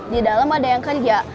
di dalam ada yang kerja